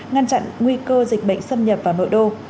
ngăn chặn nguy cơ dịch bệnh xâm nhập vào nội đô